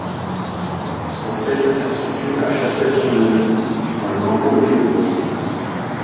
Son siège se situe à Châtel-Saint-Denis dans le canton de Fribourg.